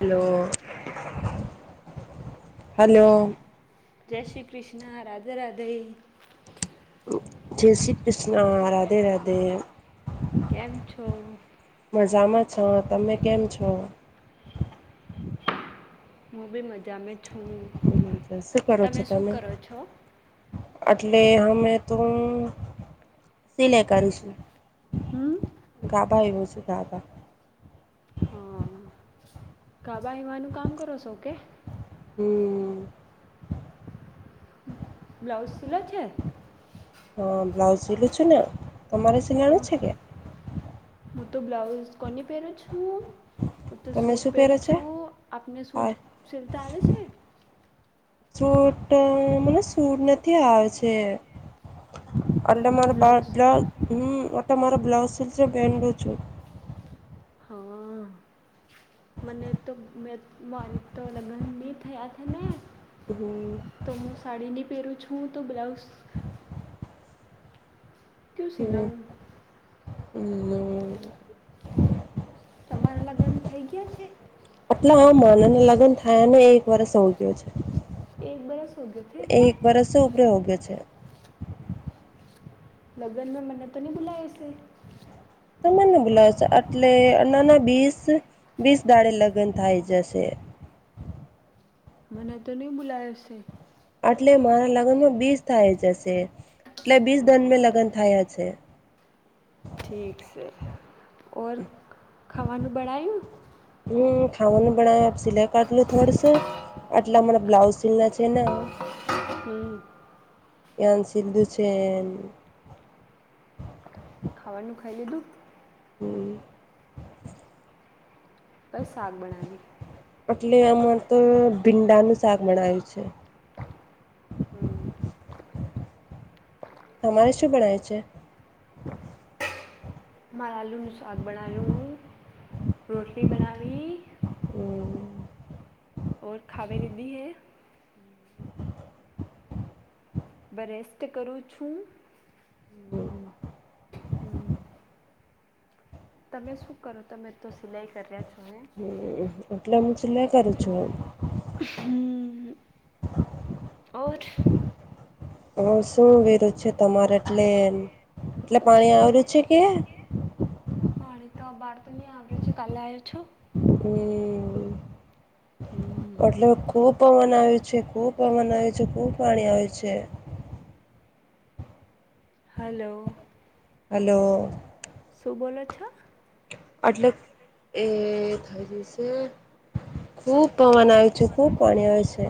Hello hello રાઘેય જેસી ક્રિષ્ન રાધે રાધે કેમ છો મજામા છો તમે કેમ છો હું બી મજા મે છુ હ શું કરો છો તમે એટલે હમે તો હું સિલે કરુ સુ હમ સુ તાતા વા એવાનુ કામ કરો સો કે [inaudible] બ્લાઉઝ સીલે છે સીલુ છુન તમારે સીનારો છે કે તું બ્લાઉઝ કોની પહેરું છું? હું તો તમે સૂટ શું પહેરો પહેરું છે છુ આપને આ સૂટ સિલતા આવે છે? સૂટ મને સૂટ નથી આવે છે. હું એટલે તો મારે બ્લાઉઝ બા-બ્લા. હમ્મ, હટ મારો બ્લાઉઝ પહેડું છું. હા. મને તો મે મારી તો લગ્ન ની થયા થે ને. હમ તો હું સાડી નઈ પહેરું છું તો બ્લાઉઝ ક્યુ હમ શીલાઉ? [inaudible] તમારા લગન થઈ ગયા છે? આટલા હો મારા અને લગ્ન થયા અને એક વરષ હો ગયો છે. એક બરસ હો ગયો છે એ કે એક વરષ ઉપરે હોંગે છે. લગ્નમાં મને તો નહી બુલાય શે. તમને અ બુલાય છે અ એટલે અન્નાના બીસ-બીસ દાળે લગ્ન થાઈ જશે. મને તો નહી બોલાયો શે. આટલે મારા લગ્નમાં બીસ થાય જશે એટલે બીસ દનને લગ્ન થયા છે. ઠીક છે ઓર ખાવાનું બળાયું? હમ ખાવાનું બનાયા છે. સિલાઈ કાઢલું થોડસ, આટલા માર બ્લાઉઝ સીલના છે. જેના હમ યાન સિલધુ છે. ખાવાનું ખાઈ લીધું? હમ બસ, શાક બનાવી. એટલે આમાં તો ભીંડાનું શાક બનાવ્યું છે. હમ્મ. તમારે શું બણાયુ છે? આલુનુ શાક બનાાયું. રોટલી બનાવી. હમ્મ. ઓર ખાવે દીધી હે? બરેસ્ટ કરું છું. હમ હમ્મ. તમે શું કરો? તમે તો સિલાઈ કર્યા છો ને. હમ એટલે મુ સિલાઈ કરુ છું. ઓર. હું શું વેરુ છે તમારે એટલે એટલે પાણી આવેરું છે કે પાણી તો બાર તો નહીં આવર્યું છે કાલે આવ્યો છો. હમ હમ એટલે ખુબ પવન આવ્યું છે. ખુબ પવન આવયો છે. ખુબ પાણી આવે છે. હલો. હલો. શું બોલો છો? આટલે એ થઈ જશે. ખૂબ પવન આવે છે. ખૂબ પાણી આવે છે.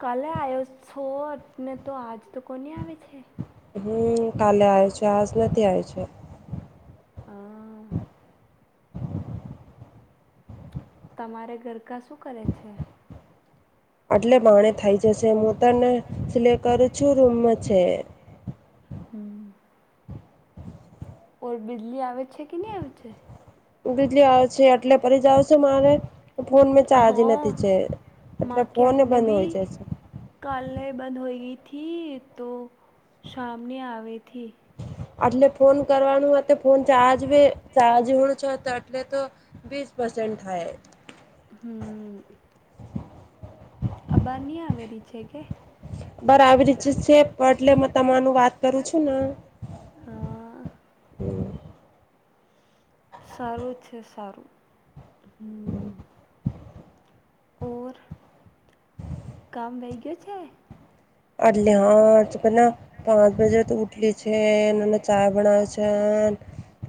કાલે આવ્યો સો ને તો આજ તો કોની આવે છે. હમ્મ, કાલે આયો છે આજ નથી આયો છે. હા. તમારે ગરકા શું કરે છે? આટલે બાણે થઈ જશે. હું તને સિલાઇ કરું છું રૂમ છે. હમ્મ. ઓર બિજલી આવે છે કે નહી આવે છે. બીજલી આવશે એટલે ફરી જાવ છે મારે ફોન મેં ચારજ નથી હા છે એટલે માં કે ફોન એ અટને બંધ હોય ભી જશે. કાલે બંધ હોય ગઈ થી તો સામને આઈ થી એટલે ફોન કરવાનું ફોન ચાર્જ ચાર્જ હણ છે, તો એટલે તો છે પર્સન્ટ થાય. અબારની આવેલી છે, કે બરાબર જ છે, પણ એટલે તમારુ વાત કરું છું, ના હા હ સારું છે, સારું હમ. ર કામ વહીયો છે. આટલે હા પેલા પાંચ બજે તો ઉઠલી છે, એ ચા બનાવે છે.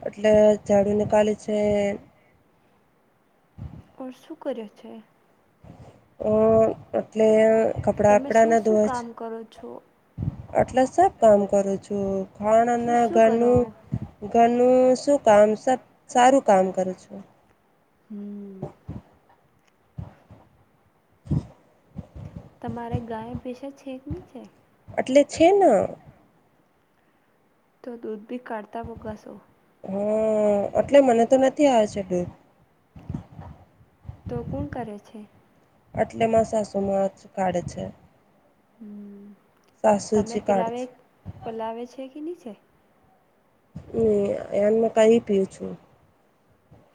એટલે ઝાડુ નીકાલે છે. ઓર શું કર્યું છે? અ એટલે કપડા તમે વપડા શું ના શું ધોવે છે. કામ કરો છો? એટલે સબ કામ કરું છું. શું માણના શું કરો ઘરનું ઘનું શું કામ સબ સારું કામ કરું છું. [inaudible] [unintelligible] તમારે ગાય ભેંસો છે કે? એટલે છે ન તો દુધ ભી કાઢતા પોગા સૌ હમ એટલે મને તો નથી આવે છે, દૂધ તો કોણ કરે છે. એટલે મ સાસુમાં કાઢે છે. હમ તમે સાસુજી પિલાવે કાઢે પલાવે છે, કે નીચે હમ એનમાં કઈ પીું છું.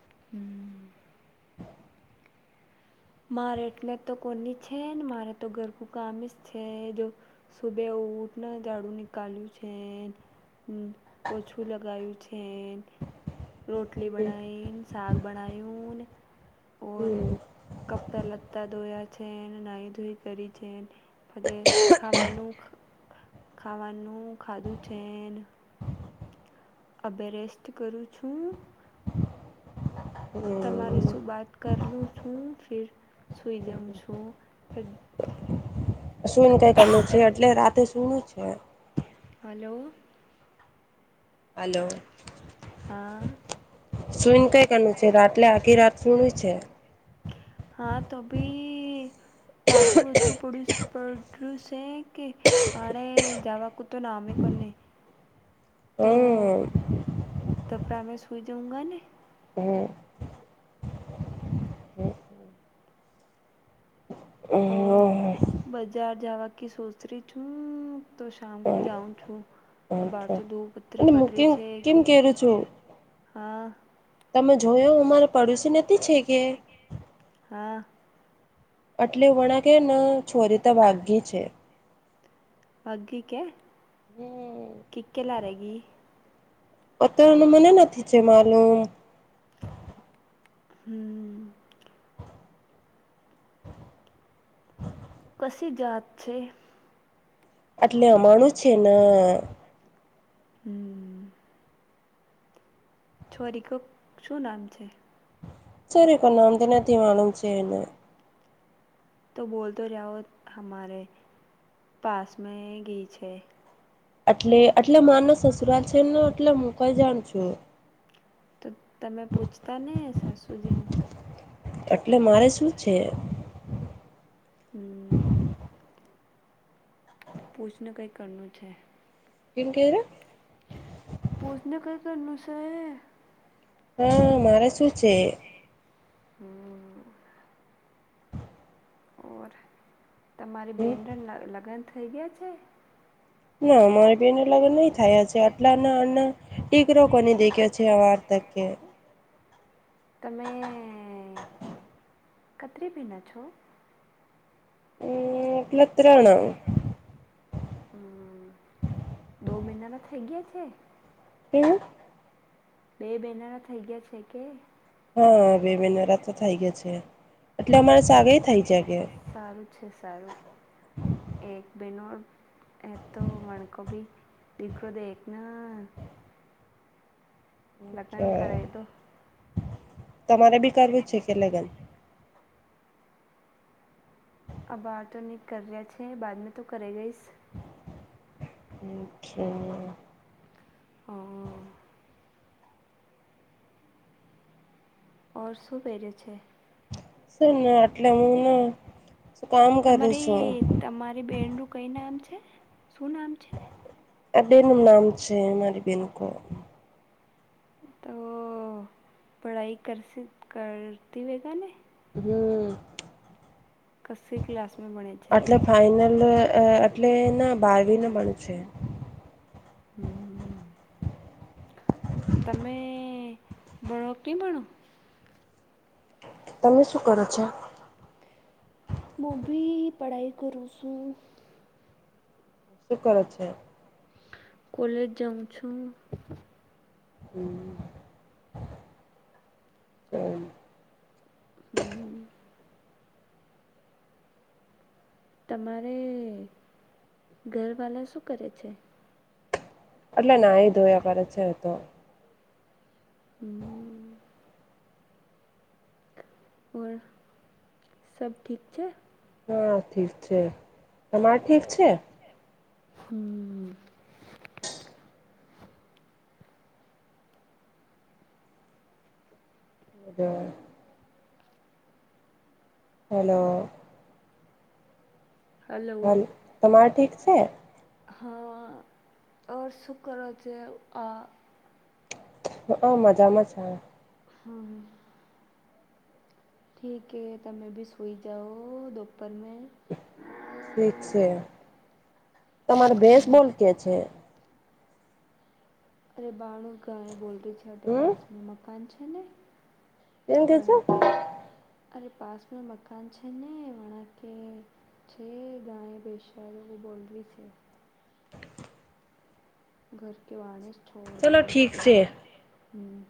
[inaudible] મારે એટલે તો કોની છે, ને મારે તો ઘરકું કામ જ છે, જો સુબે બટ ન ગાડું નનીકાલ્યું છે. પોછું લગાવું છે. રોટલી બનાયન, સાગ બનાય હમ્મ પત્તા ધોયા છે, ને નાહી ધોઈ કરી છે, ખાવાનું ખાવાનું ખાધું છે. અભે રેસ્ટ કરું છું. હમ તમારે શું બાત કરલું છું? ફર સુઈ જઉં છું, ત સુંન કઈકનું છે, એટલે રાતે સુૂનું છે. હલો! હલો! હા. સુઈને કઈ કરનું છે, રાતલે આખી રાત સુનું છે. તડકું રત્રું પડીશ પું છે કે પાણે જવા કો તો નામે કોને તો હમ. સુઈ દુંગ ને હમ. હમ. બાકી સોચરી છું, તો શામ કો જાઉ છું. અચ્છા, અને હું કેમ કેમ કે છું? હા. તમે જોયો અમારા પડોશી નથી છે કે? હા. એટલે, વણા કે ના છોરી તો વાઘી છે. હમ [unintelligible] અત્યારેનું મને નથી છે માલુમ. હમ. કસી જાત છે. એટલે, અમાણું છે ને હમ. છોરીક શું નામ છે? છેસે કો નામ તેને દેવાનું છે. તો બોલતો જાઓ હમારે પાસ મે ગીછે. એટલે. એટલે, માને સસુરાાલ છે ને એટલે હું કઈ જાણ છું. તો તમે પૂછતા નહી હશો સાસુ જે ને. એટલે મારે શું છે? હમ. પૂછને કંઈ કરવું છે. કેમ કયોઁ? પૂછને કઈ કરનું છે. હા, મારે શું છે? હમ. ઓર, તમારી બેંન લગ્ન થઇ ગયા છે. ના અમારે બેનના લગન નહી થયા છે. આટલાના દીકરો કોની દેખ્યા છે આ વાર્તા ઓકે. તમે, કત્રી બિના છો? અમે કત્રાણમ. હમ, દો મહિનાના થઈ ગયા છે. [unintelligible] બે બહેનાના થઈ ગયા છેકે. હા, બે [unintelligible] થઈ ગયા છે એટલે અમારે સાગે થઈ જાય કે. સારું છે સારું, એક. બેનર એતો વણકોભી દેખો દેખનાં. લગન કે કરેતો. તમારે બી કરવું જ છેકે લગ્ન? આ બાર તોની કરયા છે બાદમાં તો કરી લઈશ. [unintelligible] ઓરષું પેરે છે. શુંને એટલે હુંના. તમારી તમારી બેનનું કઈ નામ છે. શું નામ છે? અદેનું નામ છે મારી બેનોકો. તો પઢાઈ કરશે કરતી રેજેને. હમ. કસ્સી ક્લાસમાં ભણે છે. એટલે ફાઈનલ એટલે નાં બારવીના પણ છે. હમ તમે, બળોકી ભણો? તમે શું કરો છો? હુંભી પઢાઈ કરું છું. શું કરે છે? કોલેજ જાઉં છું. હમ [unintelligible] હમ તમારે ઘર વાલા શું કરે છે એટલે ના ધોયાગર છે તો. હમ ઓર સ ઠીક છે હા ઠીક છે તમાર ઠીક છે હમ્ બજર હલો હ હલો તમાર ઠીક છે હા આવઔર સુખ કરો છે આ હ મજામાં છે હમ ઠીક તમે બી સુઈ જાઓ દ ઠીક છે તમારે ભસ બોલ કે છે અરે બાણું ક એ બોલ ર છે આપે હમ પાસ ન મકાન છે ને એમ થ છું વણા કે અરે પાસમાં મકાન છે ને વણા કે, છે ગાાય પેશરની બોલવી છે ઘર કે વાને છોડ ચલો દેવે ઠીક છે હમ